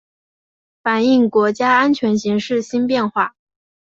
反映国家安全形势新变化